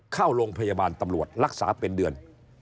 เข้าโรงพยาบาลตำรวจรักษาเป็นเดือน